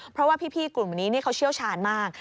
เพราะว่าพี่กลุ่มนี้เขาเชี่ยวชาญมาก